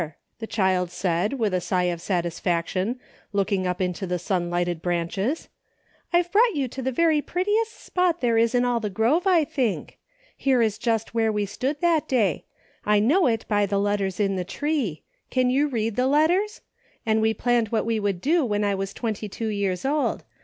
" the child said, with a sigh of satis faction, looking up into the sun lighted branches, " I've brought you to the very prettiest spot there is in all the grove, I think. Here is just where we stood that day ; I know it by the letters in the tree. Can you read the letters ? And we planned what we would do when I was twenty two years old.